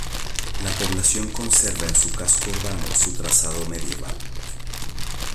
La población conserva en su casco urbano su trazado medieval.